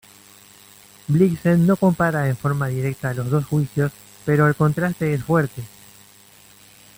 Blixen no compara en forma directa los dos juicios, pero el contraste es fuerte.